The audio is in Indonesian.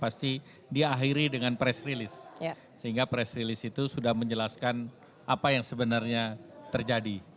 pasti diakhiri dengan press release sehingga press release itu sudah menjelaskan apa yang sebenarnya terjadi